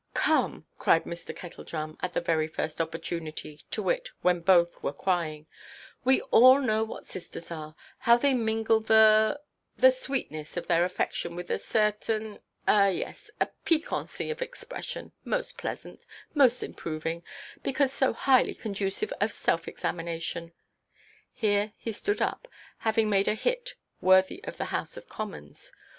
"Come," cried Mr. Kettledrum, at the very first opportunity, to wit, when both were crying; "we all know what sisters are: how they mingle the—the sweetness of their affection with a certain—ah, yes—a piquancy of expression, most pleasant, most improving, because so highly conducive to self–examination!" Here he stood up, having made a hit, worthy of the House of Commons.